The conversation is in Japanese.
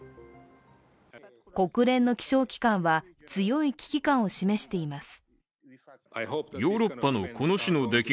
国連の気象機関は強い危機感を示しています。